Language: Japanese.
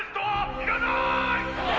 ・いらなーい！